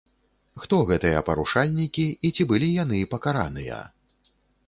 Хто гэтыя парушальнікі і ці былі яны пакараныя?